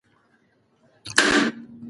موږ د خپل ژوند مثبت اړخونه ښیو.